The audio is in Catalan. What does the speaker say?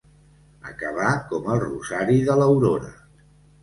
Acabar com el rosari de l'aurora.